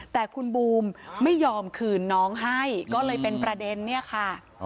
แต่คุณบูมไม่ยอมคืนน้องให้ก็เลยเป็นประเด็นเนี่ยค่ะ